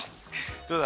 どうだ？